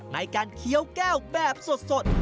ในการเคี้ยวแก้วแบบสด